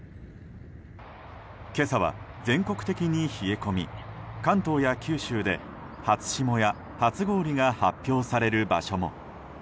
今朝は全国的に冷え込み関東や九州で初霜や初氷が発表される場所も。